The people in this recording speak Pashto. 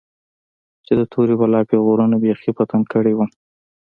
چې د تورې بلا پيغورونو بيخي په تنگ کړى وم.